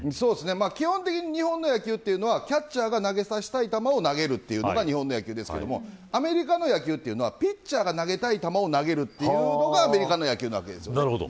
基本的に日本の野球はキャッチャーが投げさせたい球を投げさせるというのが日本の野球ですがアメリカはピッチャーが投げたいのを投げるというのがアメリカです。